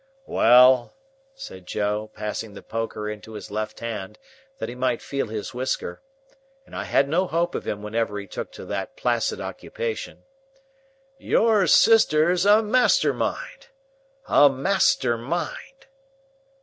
"Well," said Joe, passing the poker into his left hand, that he might feel his whisker; and I had no hope of him whenever he took to that placid occupation; "your sister's a master mind. A master mind."